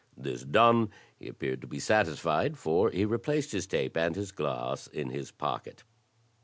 This done, he appeared to be satisfied, for he replaced his tape and his glass in his pocket.